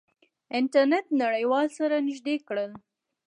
انټرنیټ نړیوال سره نزدې کړل.